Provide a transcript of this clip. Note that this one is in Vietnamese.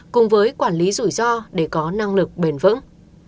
cùng với quản lý rủi ro để có năng lực bền vững